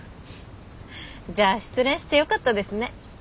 じゃあ失恋してよかったですね。